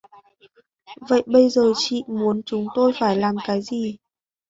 Vậy Bây giờ chị muốn chúng tôi phải làm cái gì